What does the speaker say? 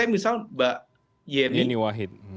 misalnya mbak yeni wahid